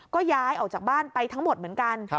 ก็ย้ายออกจากบ้านไปทั้งหมดเหมือนกัน